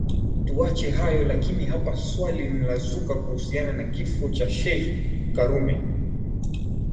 Tuache hayo lakini hapa swali linazuka kuhusiana na kifo cha Sheikh Karume